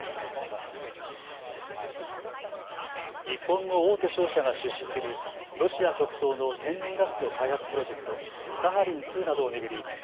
日本の大手商社が出資するロシア極東の天然ガスの開発プロジェクト、サハリン２などを巡り